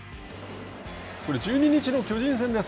これ、１２日の巨人戦です。